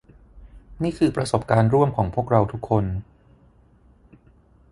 นี่คือประสบการณ์ร่วมของพวกเราทุกคน